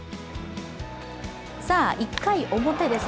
１回表です。